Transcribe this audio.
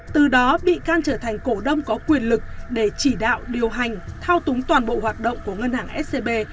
từ đó bị can trở thành cổ đông có quyền lực để chỉ đạo điều hành thao túng toàn bộ hoạt động của ngân hàng scb